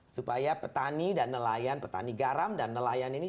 supaya petani dan nelayan petani garam dan nelayan ini